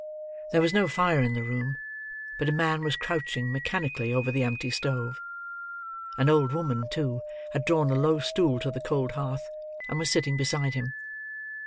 There was no fire in the room; but a man was crouching, mechanically, over the empty stove. An old woman, too, had drawn a low stool to the cold hearth, and was sitting beside him.